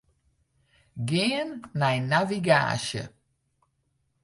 Gean nei navigaasje.